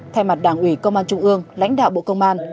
thay mặt đảng ủy công an trung ương lãnh đạo bộ công an